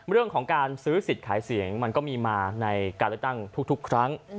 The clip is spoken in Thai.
เรื่องของการซื้อสิทธิ์ขายเสียงมันก็มีมาในการเลือกตั้งทุกครั้ง